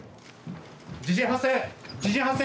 地震発生。